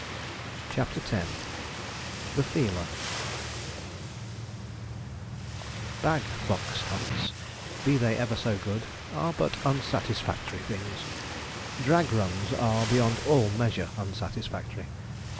CHAPTER X THE FEELER Bag fox hunts, be they ever so good, are but unsatisfactory things; drag runs are, beyond all measure, unsatisfactory.